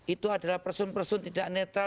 itu adalah person person tidak netral